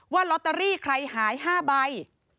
ว่าลอตเตอรี่ใครหาย๕ใบ